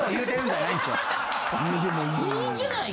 でもいいじゃない。